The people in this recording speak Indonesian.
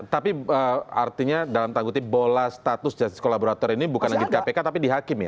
tapi artinya dalam tangguti bola status jasis kolaborator ini bukan lagi di kpk tapi di hakim ya